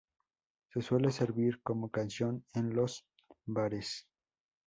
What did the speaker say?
Se suele servir como ración en los bares.